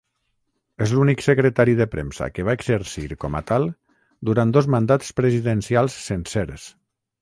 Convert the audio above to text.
És l'únic secretari de premsa que va exercir com a tal durant dos mandats presidencials sencers.